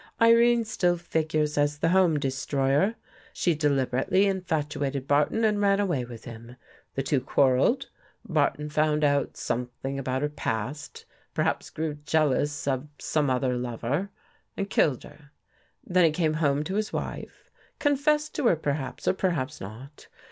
Irene still figures as the home de stroyer. She deliberately infatuated Barton and ran away with him. The two quarreled; Barton found out something about her past, perhaps grew jealous of some other lover, and killed her. Then he came home to his wife — confessed to her perhaps, or perhaps not.